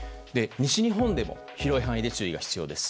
西日本でも広い範囲で注意が必要です。